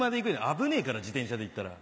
危ねぇから自転車で行ったら。